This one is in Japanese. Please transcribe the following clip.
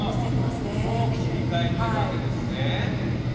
切り替えているわけですね。